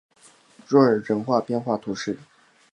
若尔人口变化图示